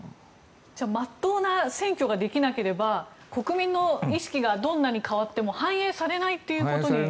じゃあ真っ当な選挙ができなければ国民の意識がどんなに変わっても反映されないということに。